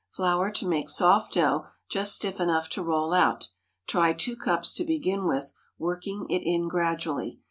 Flour to make soft dough, just stiff enough to roll out. Try two cups to begin with, working it in gradually.